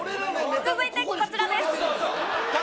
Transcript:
続いてこちらです。